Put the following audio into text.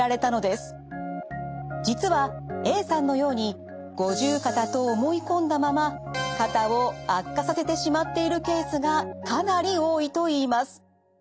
実はＡさんのように五十肩と思い込んだまま肩を悪化させてしまっているケースがかなり多いといいます。